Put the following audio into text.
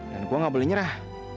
dan gue gak boleh nyerah